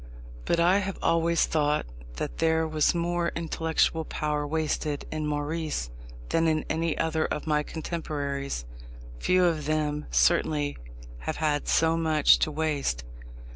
But I have always thought that there was more intellectual power wasted in Maurice than in any other of my contemporaries. Few of them certainly have had so much to waste.